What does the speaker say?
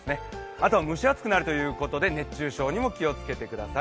あとは蒸し暑くなるということで熱中症にも気をつけてください。